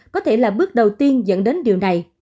có thể là bước đầu tiên dẫn đến điều này